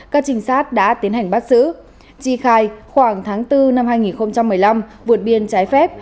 các trinh sát đã tiến hành bắt xử tri khai khoảng tháng bốn năm hai nghìn một mươi năm vượt biên trái phép